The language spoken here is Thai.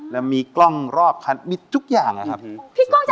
แล้วมีกล้องรอบคันมีทุกอย่างนะครับ